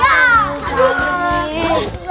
aduh sakit banget